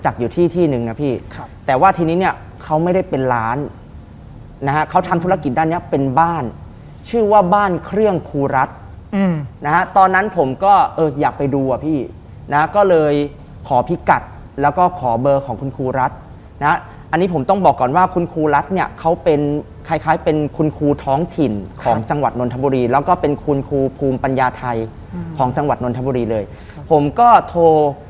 เขาไม่ได้เป็นร้านนะเขาทำธุรกิจด้านนี้เป็นบ้านชื่อว่าบ้านเครื่องครูรัฐนะตอนนั้นผมก็อยากไปดูอ่ะพี่นะก็เลยขอพิกัดแล้วก็ขอเบอร์ของคุณครูรัฐนะอันนี้ผมต้องบอกก่อนว่าคุณครูรัฐเนี่ยเขาเป็นคล้ายเป็นคุณครูท้องถิ่นของจังหวัดนนทบุรีแล้วก็เป็นคุณครูภูมิปัญญาไทยของจังหวัดนนทบุรีเลยผมก็โท